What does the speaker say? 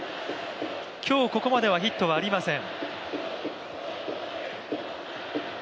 今日ここまではヒットはありません。